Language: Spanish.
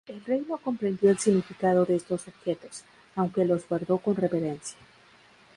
El rey no comprendió el significado de estos objetos, aunque los guardó con reverencia.